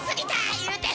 言うて。